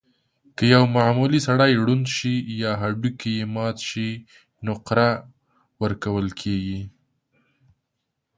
که یو معمولي سړی ړوند شي یا هډوکی یې مات شي، نقره ورکول کېږي.